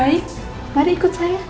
baik mari ikut saya